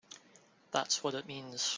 That's what it means!